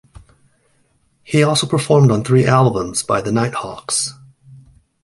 He also performed on three albums by the Nighthawks.